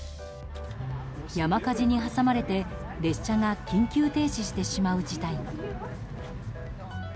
山火事に挟まれて列車が緊急停止してしまう事態も。